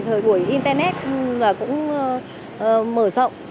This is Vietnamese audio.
thời buổi internet là cũng mở rộng